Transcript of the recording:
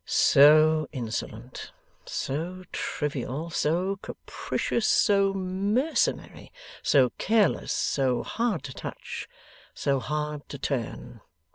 'So insolent, so trivial, so capricious, so mercenary, so careless, so hard to touch, so hard to turn!